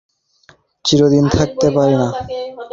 তোমার এখানে উনি তো চিরদিন থাকিতে পারেন না।